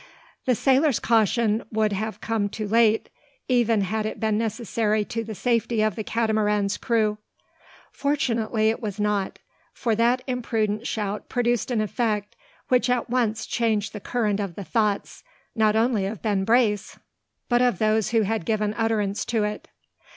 The sailor's caution would have come too late, even had it been necessary to the safety of the Catamaran's crew. Fortunately it was not: for that imprudent shout produced an effect which at once changed the current of the thoughts, not only of Ben Brace, but of those who had given utterance to it.